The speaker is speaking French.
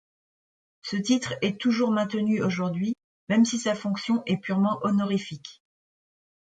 Ce titre est toujours maintenu aujourd'hui, même si sa fonction est purement honorifique.